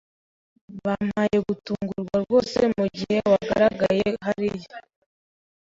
Wampaye gutungurwa rwose mugihe wagaragaye hariya.